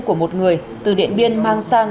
của một người từ điện biên mang sang